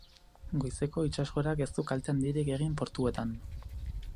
Goizeko itsasgorak ez du kalte handirik egin portuetan.